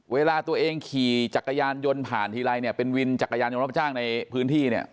เวลาตัวเองขี่จักรยานยนต์ผ่านทีไรเนี่ยเป็นวินจักรยานยนต์รับจ้างในพื้นที่เนี่ย